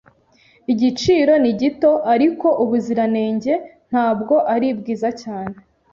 Igiciro ni gito, ariko ubuziranenge ntabwo ari bwiza cyane.